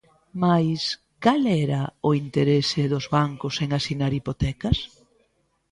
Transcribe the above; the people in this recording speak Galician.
Mais, cal era o interese dos bancos en asinar hipotecas?